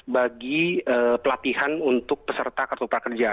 bagi pelatihan untuk peserta kartu prakerja